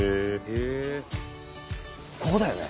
ここだよね。